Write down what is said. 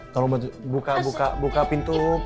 tolong buka pintu kamar